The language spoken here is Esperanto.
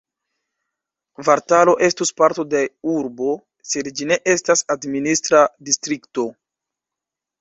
Kvartalo estus parto de urbo, sed ĝi ne estas administra distrikto.